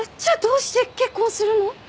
じゃあどうして結婚するの？